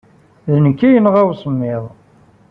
D nekk ay yenɣa usemmiḍ.